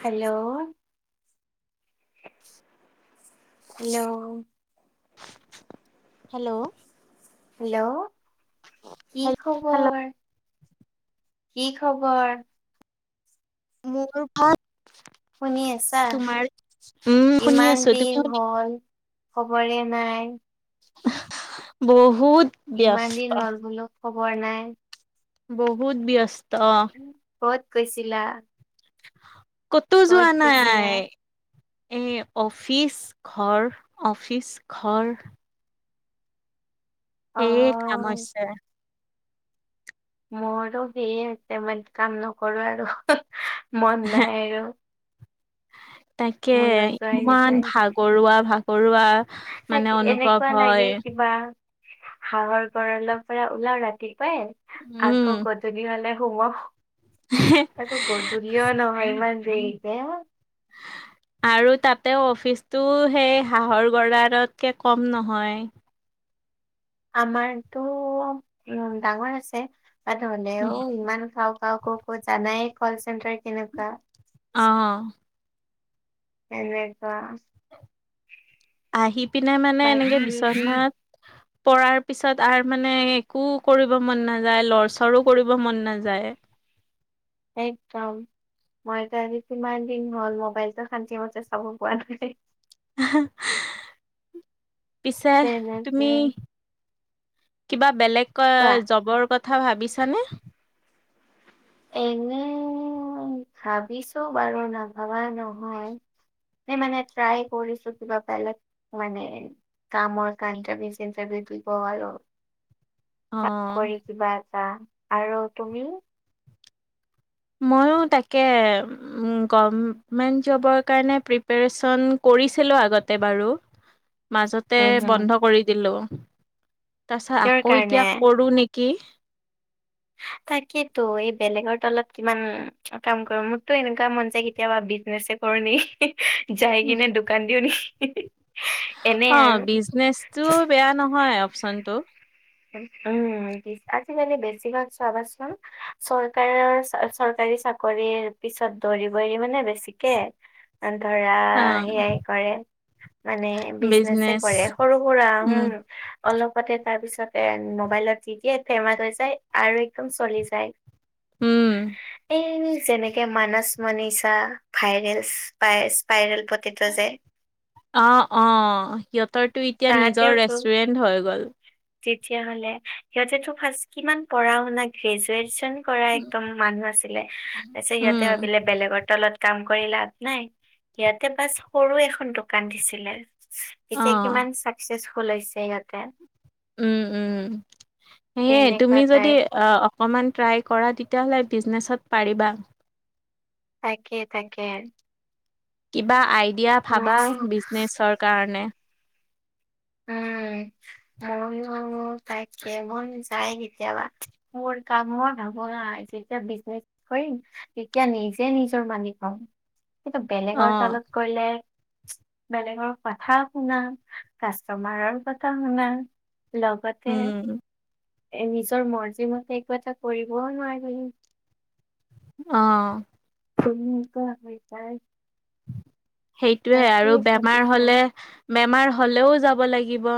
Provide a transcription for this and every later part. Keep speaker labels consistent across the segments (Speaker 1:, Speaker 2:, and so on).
Speaker 1: Hello! Hello!
Speaker 2: Hello!
Speaker 1: Hello! কি
Speaker 2: হেল
Speaker 1: খবৰ? কি খবৰ?
Speaker 2: মোৰো ভাল।
Speaker 1: শুনি আছা?
Speaker 2: উম শুনি
Speaker 1: ইমান
Speaker 2: আছো তুমি
Speaker 1: দিন
Speaker 2: শুনি
Speaker 1: হ'ল খবৰে নাই।
Speaker 2: বহুত
Speaker 1: ইমান
Speaker 2: ব্যস্ত
Speaker 1: দিন হ'ল বোলো, খবৰ নাই।
Speaker 2: বহুত ব্যস্ত
Speaker 1: ক'ত গৈছিলা?
Speaker 2: ক'তো
Speaker 1: ক'ত
Speaker 2: যোৱা
Speaker 1: গৈছিলা
Speaker 2: নাই। এ অফিচ ঘৰ, অফিচ ঘৰ
Speaker 1: অ
Speaker 2: সেয়ে কাম হৈছে।
Speaker 1: মোৰোটো সেয়ে হৈছে মানে কাম নকৰো আৰু মন নাই আৰু।
Speaker 2: তাকে,
Speaker 1: মোৰ নোযোৱাই গৈছে
Speaker 2: ইমান ভাগৰুৱা, ভাগৰুৱা মানে
Speaker 1: চাগে,
Speaker 2: অনুভৱ
Speaker 1: এনেকুৱা লাগে
Speaker 2: হয়
Speaker 1: কিবা হাঁহৰ গড়ালপৰা উলাও ৰাতি পুৱাই
Speaker 2: উম
Speaker 1: আকৌ গধূলি হ'লে সোমাও। আকৌ গধূলি দূনীয়া নহয় ইমান দেৰিকে। [unintelligible] [unintelligible]
Speaker 2: আৰু তাতে অফিচটো সেই হাঁহৰ গঁড়ালতকে কম নহয়।
Speaker 1: আমাৰটো ওম ডাঙৰ আছে। বাট হ'লেও ইমান খাওঁক। পাওঁ ক' ক' জানাই কল চেণ্টাৰ কেনেকুৱা?
Speaker 2: অঁ
Speaker 1: এনেকুৱা।
Speaker 2: আহিপিনে মানে
Speaker 1: বাকী
Speaker 2: এনেকে বিচনাত
Speaker 1: [unintelligible]
Speaker 2: পৰাৰ পিছত আৰ মানে একো কৰিব মন নাযায়। লৰচৰো কৰিব মন নাযায়।
Speaker 1: একদম। মইটো আজি কিমান দিন হ'ল, মোবাইলটোো শান্তিমতে চাব পৰা নাই।
Speaker 2: হাঁহ হাঁ--পিছে
Speaker 1: তেনেকে
Speaker 2: তুমি? কিবা বেলেগ কৰা
Speaker 1: কোৱা
Speaker 2: জবৰ কথা ভাৱিছানে?
Speaker 1: এনেই ভাবিছোঁ বাৰু নাভাবা নহয়। এ মানে ট্ৰাই কৰিছোঁ কিবা পালে মানে কামৰ কণ্টাৰভিউজ ইটাৰভিউ দিব আৰু,
Speaker 2: অ',
Speaker 1: চাকৰি কিবা এটা, আৰু তুমি-
Speaker 2: ময়ো তাকে, গভমেণ্ট জবৰ কাৰণে প্ৰিপেৰেইছন কৰিছিলোঁ আগতে বাৰু।
Speaker 1: [unintelligible]
Speaker 2: মাজতে
Speaker 1: উম, হুম।
Speaker 2: বন্ধ কৰি দিলোঁ। তাছা
Speaker 1: কিহৰ
Speaker 2: আকৌ'
Speaker 1: কাৰণে?
Speaker 2: এতিয়া কৰো নিকি। কি?
Speaker 1: তাকেইতো এই বেলেগৰ তলত কিমান কাম কৰোঁ মোৰতো এনেকুৱা মন যায় কেতিয়াবা বিজনেছে - কৰো নি যাই কিনে দোকান দিও নেকি? এনে আৰু।
Speaker 2: অ' বিজনেচ টো বেয়া নহয় অপচন টো।
Speaker 1: উম উম' বিশ্বাসি মানে বেছিভাগ চাবচোন। চৰকাৰৰ চৰকাৰী চাকৰিৰ পিছত দৌৰিব এৰি মানে বেছিকে, ধৰা,
Speaker 2: অ',
Speaker 1: সেয়াই কৰে। মানে বিজনেচে
Speaker 2: বিজনেচ
Speaker 1: কৰে‌ সৰু সুৰা উম। অলপতে তাৰ পিছতে মোবাইলত দি দিয়ে ফেমাচ হৈ যায় আৰু একদম চলি যায়।
Speaker 2: উম।
Speaker 1: এই যেনেক এতিকয়া মানচ মনিচা ভাইৰেল স্পাই স্পাইৰেল পতেতো যে
Speaker 2: অ' অ' সিহঁতৰটো এতিয়া নিজৰ ৰেষ্টুৰেন্ট হৈ গ'ল।
Speaker 1: তেতিয়া হ'লে সিহঁতেটো ফাৰ্ষ্ট কিমান পঢ়া শুনা গ্ৰেজুৱেচন- কৰা একদম মানুহ আছিলে তাপিছত
Speaker 2: উম,
Speaker 1: ইহঁতে ভাবিলে বেলেগৰ তলত কাম কৰি লাভ নাই ইয়াতে বাছ সৰু এখন দোকান দিছিলে। এতিয়া
Speaker 2: অ',
Speaker 1: কিমান চাকচেচফুল হৈছে ইহতে।
Speaker 2: উম উম' সেয়ে
Speaker 1: তেনেকুৱা
Speaker 2: তুমি
Speaker 1: টাইপ
Speaker 2: যদি- অ অকমান ট্ৰাই কৰা তেতিয়াহ'লে বিজনেছত পাৰিবা।
Speaker 1: তাকে তাকেহে।
Speaker 2: কিবা আইডিয়া ভাবা
Speaker 1: মই
Speaker 2: বিজনেছৰ কাৰণে।
Speaker 1: উম মইয়ো তাকে মন যাই কেতিয়াবা। মোৰ কাম ভাবনাই যেতিয়া বিজনেচ কৰিম তেতিয়া নিজে নিজৰ মানি পাম। কিন্তু
Speaker 2: অ'।
Speaker 1: বেলেগৰ তলত গলে বেলেগৰ কথা শুনা- কাষ্টমাৰৰ কথা শুনা লগতে
Speaker 2: উম,
Speaker 1: এ নিজৰ মৰ্জিমতে একো এটা কৰিবও নোৱাৰি।
Speaker 2: অঁ।
Speaker 1: তুমি ইটো আমি পাই।
Speaker 2: সেইটোয়ে আৰু বেমাৰ
Speaker 1: ভাবিছো
Speaker 2: হলে বেমাৰ হলেও যাব লাগিব।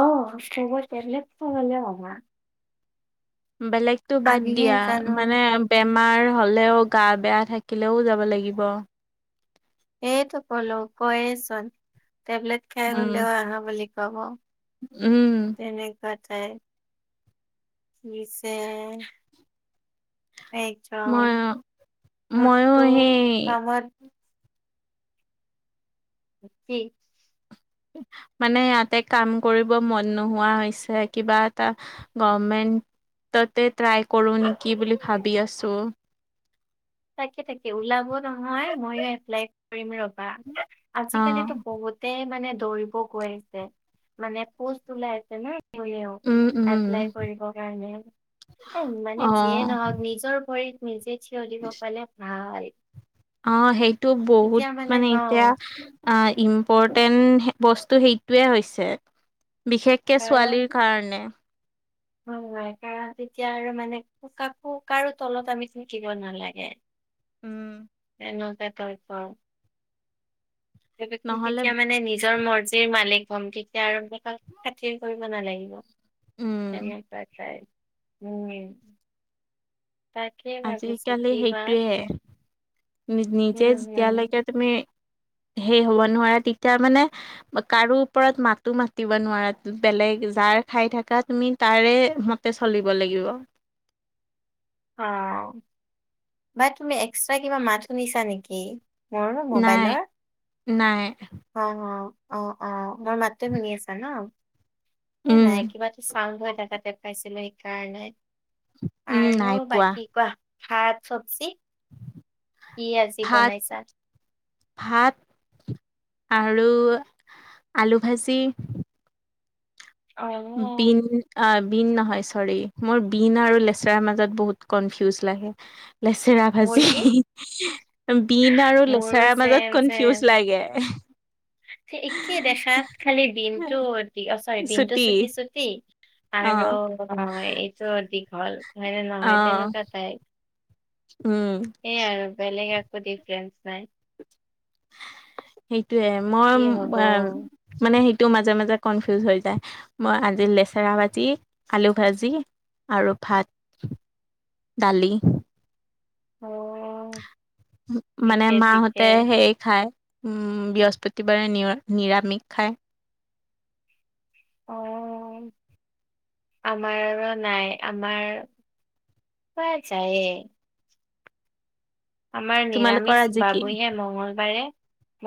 Speaker 1: অ হব তেবলেত ফমানে হমা।
Speaker 2: বেলেগতো বাদ
Speaker 1: আমিহে
Speaker 2: দিয়া
Speaker 1: জানো
Speaker 2: মানে- বেমাৰ হ'লেও গা বেয়া থাকিলেও যাব লাগিব।
Speaker 1: এইটো কলো কয়েচোন টেবলেট খাই
Speaker 2: উম,
Speaker 1: হলেও আহা বুলি কব।
Speaker 2: উম।
Speaker 1: তেনেকুৱাতে। বিছে এক যাম
Speaker 2: মই ময়ো
Speaker 1: মুঠটো
Speaker 2: সেই
Speaker 1: কামত। কি?
Speaker 2: মানে ইয়াতে কাম কৰিব মন নোহোৱা হৈছে কিবা এটা - গভমেন্টততে ট্ৰাই কৰো নেকি বুলি ভাবি আছো।
Speaker 1: তাকে তাকে ওলাব নহয় ময়ো এপ্লাই কৰিম ৰবা,
Speaker 2: অ
Speaker 1: আজিকালিটো বহুত - তে মানে দৌৰিব গৈ আহিছে, মানে পোষ্ট ওলাই আছে ন হ'লেও।
Speaker 2: উম উম
Speaker 1: এপ্লাই কৰিব কাৰণে। এ মানে
Speaker 2: অ
Speaker 1: যিয়ে নহওক নিজৰ ভৰি - নিজে ঠিয় দিব পাৰিলে ভাল।
Speaker 2: অ সেইটো বহুত
Speaker 1: তেতিয়া
Speaker 2: মানে
Speaker 1: অ
Speaker 2: এতিয়া - এই ইম্পৰ্টেণ্ট বস্তু সেইটোৱে হৈছে। বিশেষ - কে ছোৱালীৰ কাৰণে।
Speaker 1: হয় হয়। কাৰণ তেতিয়া আৰু মানে কাকো কাৰো তলত আমি থাকিব নালাগে।
Speaker 2: উম।
Speaker 1: তেনেকুৱা ত‌ই পাও আৰু
Speaker 2: নহলে
Speaker 1: তেতিয়া মানে নিজৰ মৰ্জি। নিজেই মালিক হম তেতিয়া আৰু বেলেগক খাতিৰ কৰিব নালাগিব।
Speaker 2: উম
Speaker 1: এনেকুৱা টাইপ, উম। তাকে ভাবিছো কিবা!
Speaker 2: নি নিজে
Speaker 1: উম, হুম,
Speaker 2: যেতিয়ালৈকে তুমি হেই হ'ব নোৱাৰা তেতিয়া মানে - কাৰো ওপৰত মাতো মাতিব নোৱাৰা বেলেগ যাৰ খাই থাকা তুমি - তাৰে মতে চলিব লাগিব।
Speaker 1: অ, বা তুমি এক্সট্ৰা কিবা মাত শুনিছা নেকি? মোৰো
Speaker 2: নাই
Speaker 1: মোবাইলৰ?
Speaker 2: নাই।
Speaker 1: অ অ অ অ। মোৰ মাতটো শুনি আছা ন? সেই
Speaker 2: উম
Speaker 1: নাই কিবা এটা চাউণ্ড হৈ থাকা যেন পাইছিলো সেইকাৰণে।
Speaker 2: উম
Speaker 1: আৰু
Speaker 2: নাই পোৱা
Speaker 1: বাকী কোৱা, ভাত চব্জি - কি আজি
Speaker 2: ভাত
Speaker 1: বনাইছা?
Speaker 2: ভাত আৰু আলু ভাজি।
Speaker 1: অ',
Speaker 2: বিন, অ, বিন নহয় চৰি মোৰ বিন আৰু লেচেৰা মাজত বহুত কনফিউজ লাগে। লেচেৰা
Speaker 1: মোৰ
Speaker 2: ভাজি।
Speaker 1: কি?
Speaker 2: বীন আৰু
Speaker 1: মোৰো
Speaker 2: লেচাৰাৰ
Speaker 1: চেম
Speaker 2: মাজত কনফিউজ লাগে।
Speaker 1: একেই দেখাত খালি বিনটো অ চৰি বিনটো
Speaker 2: ছুটি
Speaker 1: চুটি চুটি -
Speaker 2: অ
Speaker 1: আৰু এইটো দীঘল। হয়নে
Speaker 2: অ
Speaker 1: নহয় তেনেকুৱা টাইপ।
Speaker 2: উম
Speaker 1: সেয়ে আৰু বেলেগ একো ডিফাৰেন্ঞ্চ নাই।
Speaker 2: সেইটোয়ে মই
Speaker 1: কি হ'ব?
Speaker 2: মানে সেইটো মাজে মাজে কনফিউজ হৈ যায়। মই আজি লেচেৰা ভাজি আলু ভাজি আৰু ভাত। দালি।
Speaker 1: অ।
Speaker 2: মানে
Speaker 1: ঠিকে ঠিকে।
Speaker 2: মাহঁতে সেই খাই। বৃহস্পতিবাৰে নি নিৰামিষ খাই।
Speaker 1: অ। আমাৰো নাই, আমাৰ খোৱা যায়ে। আমাৰ
Speaker 2: তোমালোকৰ
Speaker 1: নিৰামিষ
Speaker 2: আজি
Speaker 1: বাহঃ
Speaker 2: কি
Speaker 1: বঢ়িয়া। মঙলবাৰে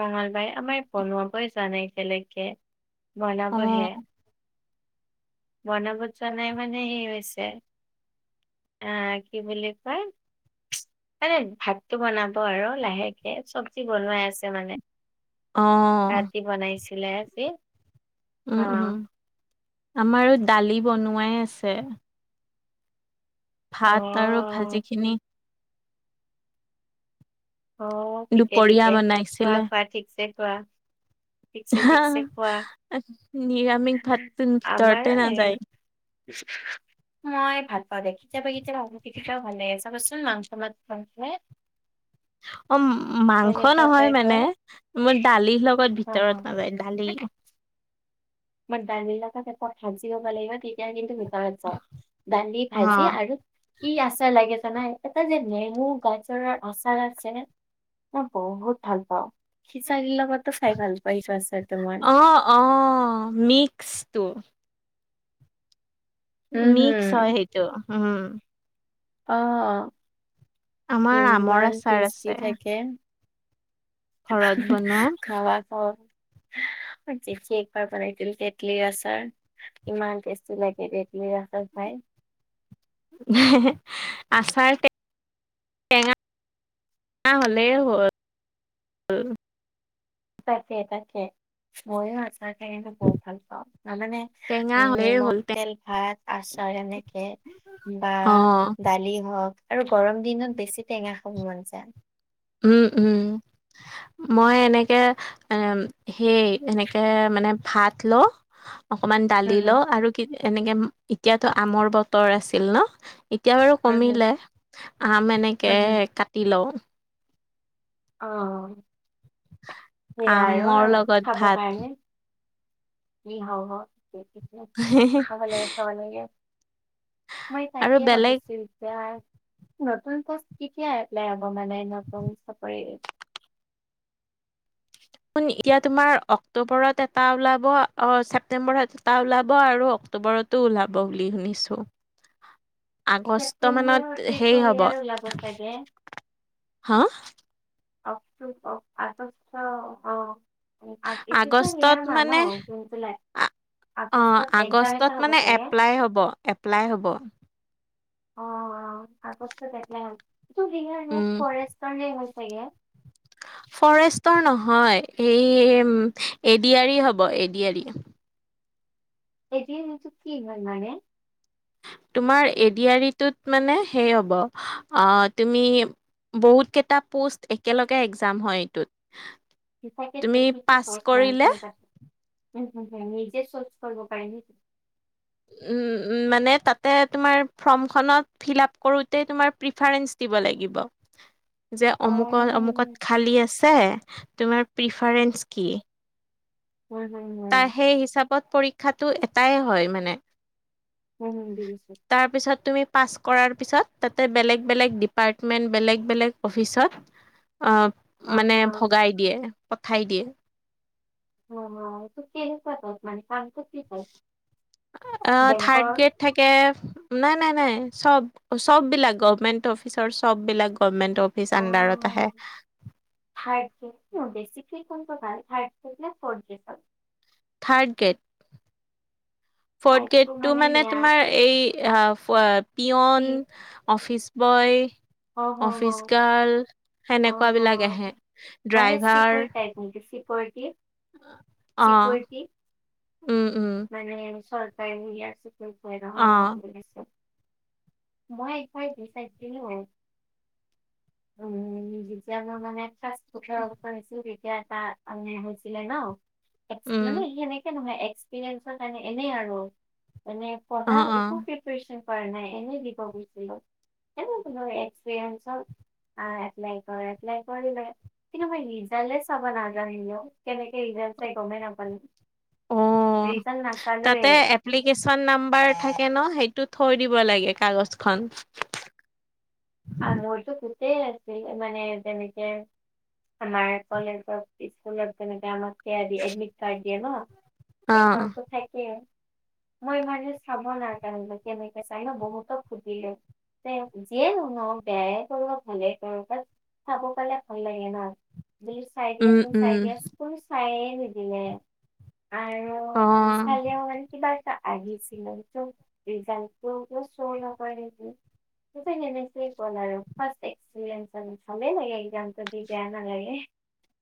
Speaker 1: মংগলবাৰে আমাৰ বনোৱাবই জানে একেলগে।
Speaker 2: অ
Speaker 1: বনাবহে বনাবত জানে মানে এই হৈছে আহ কি বুলি কয় মানে ভাতটো বনাব আৰু লাহেকে চব্জি বনাই আছে মানে
Speaker 2: অ
Speaker 1: ৰাতি বনাইছিলে আজি অ
Speaker 2: উম উম আমাৰো দালি বনোৱাই আছে
Speaker 1: অ
Speaker 2: ভাত আৰু ভাজি খিনি
Speaker 1: অ ঠিকে
Speaker 2: দুপৰীয়া
Speaker 1: ঠিকে খুওৱা
Speaker 2: বনাইছিলে
Speaker 1: খুওৱা ঠিকছে খুওৱা ঠিকছে ঠিকছে খোৱা
Speaker 2: নিৰামিষ ভাত ভিতৰতে
Speaker 1: আমাৰ এ নি [inaudible]
Speaker 2: নাযায়
Speaker 1: মই ভাল পাওঁ দে কেতিয়াবা কেতিয়া কেতিয়াও ভাল লাগে চাবচোন মাংস [inaudible]
Speaker 2: অ মাংস
Speaker 1: তেনেকুৱা
Speaker 2: নহয়
Speaker 1: টাইপ
Speaker 2: মানে
Speaker 1: হয়
Speaker 2: মোৰ দালিৰ লগত ভিতৰত
Speaker 1: অ
Speaker 2: নাযায় দালি
Speaker 1: মই দালি প্ৰথম এ সচি গব লাগিব তেতিয়া কিন্তু ভিতৰত যাও দালি
Speaker 2: অ
Speaker 1: ভাজি আৰু কি আচাৰ লাগে জানাই এটা যে নেমু গাজৰৰ আচাৰ আছে অ বহুত ভাল পাওঁ সিচাৰ লগততো চাই ভাল পাও এই আচাৰটো মই
Speaker 2: অঁ অঁ মিক্সটো
Speaker 1: উম
Speaker 2: মিষ্ট
Speaker 1: হুম
Speaker 2: হয় সেইটো উম
Speaker 1: অ
Speaker 2: আমাৰ আমৰ
Speaker 1: ইমান
Speaker 2: আচাৰ
Speaker 1: টেষ্টি
Speaker 2: আছে
Speaker 1: থাকে
Speaker 2: ঘৰত বনোৱা
Speaker 1: খাবা খাব জেঠি একবাৰ বনাইছিল তেতেলিৰ আচাৰ ইমান টেষ্টি লাগে তেতলি আচাৰ খাই
Speaker 2: আচাৰ টেঙা টেঙা হলে হল
Speaker 1: তাকে তাকে ময়ো আচাৰ খাইকিনে বহুত ভাল পাওঁ জানানে
Speaker 2: টেঙা
Speaker 1: উম
Speaker 2: হলেই
Speaker 1: নিমখ
Speaker 2: হ'ল
Speaker 1: তেল ভাত আচাৰ এনেকে বা
Speaker 2: অ
Speaker 1: দালি হওক আৰু গৰম দিনত বেছি টেঙা খব মন যায়
Speaker 2: উম উম মই এনেকে এ হেই এনেকে মানে ভাত লও অকমান দালি
Speaker 1: হুম হুম
Speaker 2: লও আৰু কি এনেকে এতিয়াতো আমৰ বতৰ আছিল ন এতিয়া বাৰু
Speaker 1: হুম হুম
Speaker 2: কমিলে আম এনেকে
Speaker 1: হুম হুম
Speaker 2: কাটি লওঁ
Speaker 1: অ সেয়া আৰু
Speaker 2: আমৰ লগত
Speaker 1: খাব কাৰণে
Speaker 2: ভাত
Speaker 1: কি হব দে খাব লাগে খাব লাগে মই
Speaker 2: আৰু
Speaker 1: তাকে
Speaker 2: বেলেগ
Speaker 1: ভাবিছো এতিয়া নতুন [inaudible] কেতিয়া এপ্লাই হব মানে নতুন চাকৰি
Speaker 2: শুন এতিয়া তোমাৰ অক্টোবৰত এটা ওলাব অ ছেপটেম্বৰত এটা ওলাব আৰু অক্টোবৰত তো ওলাব বুলি শুনিছোঁ
Speaker 1: [unintelligible]
Speaker 2: হেৰি হব
Speaker 1: ছেপ্টেম্বৰ [inaudible] ওলাব চাগে
Speaker 2: হা
Speaker 1: অক্টোবৰ আগষ্ট অ আতি [unintelligible] নিয়া
Speaker 2: আগষ্টত মানে
Speaker 1: মানুহ জুন জুলাই
Speaker 2: আ- অ
Speaker 1: আগষ্টত একজাম এটা
Speaker 2: আগষ্টত
Speaker 1: হ'ব
Speaker 2: মানে
Speaker 1: চাগে
Speaker 2: এপ্লাই হ'ব এপ্লাই হ'ব
Speaker 1: অ অ আগষ্টত এপ্লাই হয়,
Speaker 2: উম
Speaker 1: [inaudible] ফৰেষ্টৰ হে হয় চাগে?
Speaker 2: ফৰেষ্টৰ নহয় এই এডিয়াৰী হ'ব এডিয়াৰী।
Speaker 1: এডিয়াৰীটো কি হয় মানে?
Speaker 2: তোমাৰ এডিয়াৰিটোত মানে সেই হ'ব আহ তুমি বহুত কেইটা পোষ্ট একেলগে একজাম হয় এইটোত।
Speaker 1: [inaudible] নিজে
Speaker 2: তুমি
Speaker 1: চৰ্চ
Speaker 2: পাছ কৰিলে
Speaker 1: কৰিব পাৰি নে
Speaker 2: উম উম্ মানে তাতে তোমাৰ ফৰ্মখনত ফিল আপ কৰোঁতে তোমাৰ প্ৰিফাৰেন্ঞ্চ দিব লাগিব।
Speaker 1: [inaudible]
Speaker 2: যে
Speaker 1: হম
Speaker 2: অমুকত অমুকত খালী আছে তোমাৰ প্ৰিফাৰেন্ঞ্চ কি।
Speaker 1: হম্ হম্ হম্।
Speaker 2: তাৰ সেই হিচাপত পৰীক্ষাটো এটাই হয় মানে।
Speaker 1: উম [inaudible]
Speaker 2: তাৰপিছত তুমি পাছ কৰাৰ পিছত তাতে বেলেগ বেলেগ ডিপাৰ্টমেণ্ট বেলেগ বেলেগ অফিচত অ
Speaker 1: অ
Speaker 2: মানে ভগাই দিয়ে পঠাই দিয়ে।
Speaker 1: অ এইটো কেনেকুৱা ধৰণৰ কামটো? কি টাইপ
Speaker 2: অহ থাৰ্ড
Speaker 1: বেংকৰ
Speaker 2: গ্ৰেড থাকে নাই নাই নাই চব চব বিলাক গভমেন্ট অফিচৰ চব বিলাক গভমেন্টৰ। পিচ আণ্ডাৰত
Speaker 1: অ
Speaker 2: আহে।
Speaker 1: থাৰ্ড গ্ৰেড ন? বেচিকে কোনটো ভাল থাৰ্ড গ্ৰেড নে ফৌৰ্থ গ্ৰেডৰ?
Speaker 2: Third grade. ফৌৰ্থ
Speaker 1: থাৰ্ডটো
Speaker 2: গ্ৰেডটো মানে
Speaker 1: সেয়া
Speaker 2: তোমাৰ এই আ অ পিয়ন,
Speaker 1: কি
Speaker 2: অফিচ বয়
Speaker 1: অ হ হ
Speaker 2: অফিচ গাৰ্ল
Speaker 1: অ
Speaker 2: সেনেকুৱা
Speaker 1: হ
Speaker 2: বিলাক আহে, ড্ৰাইভাৰ
Speaker 1: ছিকৰিটী
Speaker 2: অ',
Speaker 1: চিকৰিটি
Speaker 2: উম, উম,
Speaker 1: মানে [inaudible] [inaudible]
Speaker 2: অ',
Speaker 1: মই একবাৰ দি চাইছিলো হয় উম। যেতিয়া মোৰ মানে ফাৰ্ষট ওঠৰ বছৰ হৈছিল তেতিয়া তাত মে হৈছিলে ন। এক্সপি
Speaker 2: উম,
Speaker 1: মানে সেনেকে নহয় এক্সপিৰিয়েঞ্চৰ কাৰণে এনেই আৰু মানে
Speaker 2: অ',
Speaker 1: পঢ়া
Speaker 2: অ',
Speaker 1: একোকে প্ৰিপেৰেচন কৰা নাই এনেই দিব গৈছিলো, এনেই ধৰ এক্সপিৰিয়েঞ্চৰ আ বেংকৰ এপ্লাই কৰিলে কিন্তু মই হিজালে চাব নাজানিলো, কেনেকে হিজাল চাই গমেই নাপালো।
Speaker 2: অ',
Speaker 1: ৰিজাল নাচালোৱে।
Speaker 2: তাতে এপ্লিকেচন নাম্বাৰ থাকে ন, সেইটো থৈ দিব লাগে কাগজখন।
Speaker 1: আ মোৰতো গোটই আছিল মানে যেনেকে আমাৰ কলেজৰ স্কুলৰ তেনেকে আমাক সেইয়া দিয়ে এডমিট কাৰ্ড দিয়ে ন
Speaker 2: অ',
Speaker 1: এইখনতো থাকে। মই মানে চাব নাজানিলো, কেনেকে চাই ন বহুতক সুধিলোঁ তে যিয়েনো ন বেয়াই কৰোঁ ভালেই কৰোঁ বাত চাব পালে ভাল লাগে ন। চাই
Speaker 2: উম,
Speaker 1: দিয়াচোন
Speaker 2: উম,
Speaker 1: চাই দিয়া, কোনো চাইয়ে নিদিলে আৰু আৰু
Speaker 2: অ',
Speaker 1: নেচালেও মানে কিবা এটা আহিছিলে কিন্তু ৰিজাল্টো চৌ নকৰে, সেনেকে কি ক'ম আৰু ফাৰ্ষ্ট এক্সপৰিয়েন্ঞ্চ পালোঁ, ভালেই লাগে এক্সামটো দি বেয়া নালাগে।